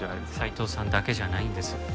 斉藤さんだけじゃないんです。